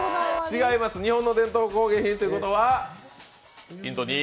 違います、日本の伝統工芸品ということはヒント